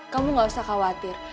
kamu gak usah khawatir